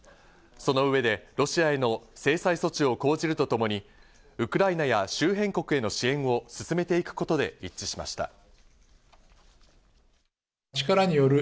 その上でロシアへの制裁措置を講じるとともに、ウクライナや周辺国への支援を進めていくことで一致しました。